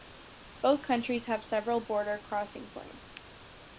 Both countries have several border crossing points.